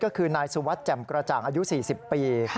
ก็คือนายสุวัสดิแจ่มกระจ่างอายุ๔๐ปี